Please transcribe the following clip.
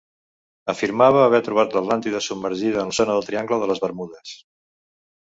Afirmava haver trobat l'Atlàntida submergida a la zona del Triangle de les Bermudes.